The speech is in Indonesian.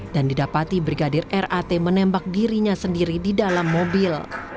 dan didapati brigadir rat menembak dirinya sendiri di dalam mobil